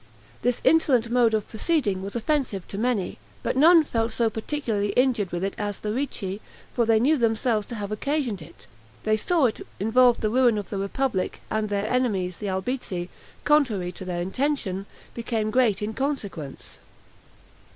This insolent mode of proceeding was offensive to many; but none felt so particularly injured with it as the Ricci; for they knew themselves to have occasioned it, they saw it involved the ruin of the republic, and their enemies, the Albizzi, contrary to their intention, became great in consequence.